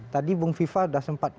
tadi bung viva sudah sempat